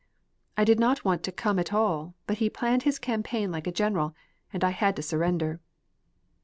I did not want to come at all, but he planned his campaign like a general, and I had to surrender."